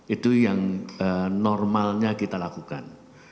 itu yang normalnya kita lakukan